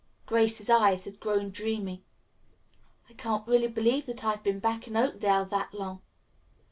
Grace's eyes had grown dreamy. "I can't really believe that I've been back in Oakdale that long.